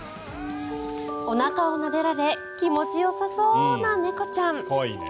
おなかをなでられ気持ちよさそうな猫ちゃん。